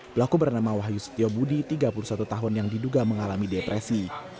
pelaku bernama wahyu setio budi tiga puluh satu tahun yang diduga mengalami depresi